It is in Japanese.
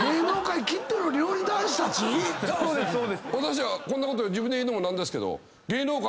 私はこんなこと自分で言うのも何ですけど。